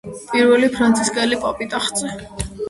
პირველი ფრანცისკელი პაპი ტახტზე.